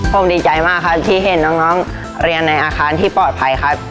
ผมดีใจมากครับที่เห็นน้องเรียนในอาคารที่ปลอดภัยครับ